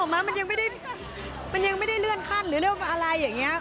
มันยังไม่ได้เลื่อนขั้นหรือเรื่องอะไรอย่างนี้